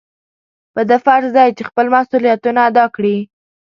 په ده فرض دی چې خپل مسؤلیتونه ادا کړي.